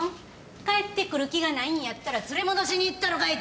帰ってくる気がないんやったら連れ戻しに行ったろかいってちゃんとね。